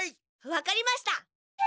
分かりました！